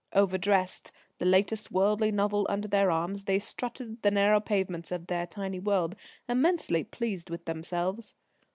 Overdressed, the latest worldly novel under their arms, they strutted the narrow pavements of their tiny world, immensely pleased with themselves.